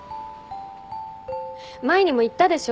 前にも言ったでしょ？